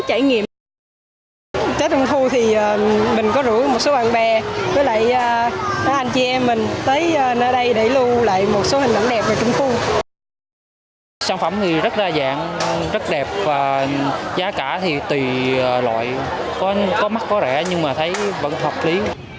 sản phẩm thì rất đa dạng rất đẹp và giá cả thì tùy loại có mắc có rẻ nhưng mà thấy vẫn hợp lý